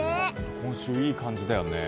今週いい感じだよね。